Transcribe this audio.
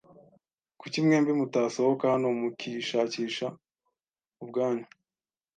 Kuki mwembi mutasohoka hano mukishakisha ubwanyu?